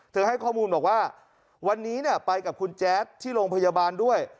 ให้ข้อมูลบอกว่าวันนี้ไปกับคุณแจ๊ดที่โรงพยาบาลด้วย